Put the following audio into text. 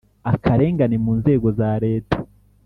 Akarengane mu nzego za Leta